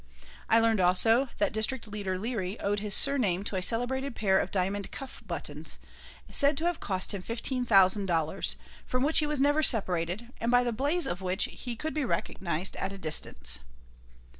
I learned also that District Leader Leary owed his surname to a celebrated pair of diamond cuff buttons, said to have cost him fifteen thousand dollars, from which he never was separated, and by the blaze of which he could be recognized at a distance.